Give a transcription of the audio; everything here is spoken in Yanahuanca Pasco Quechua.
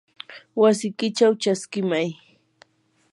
wasikichaw chaskimay.